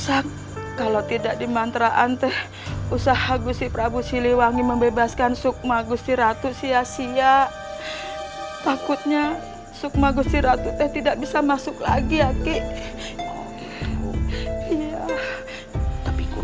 aku butuh pertolonganmu kisanak